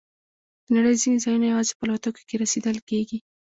د نړۍ ځینې ځایونه یوازې په الوتکو کې رسیدل کېږي.